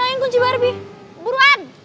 lain kunci baru bi buruan